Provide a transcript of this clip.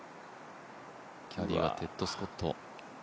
キャディーはテッド・スコット。